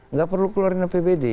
nggak perlu keluarin apbd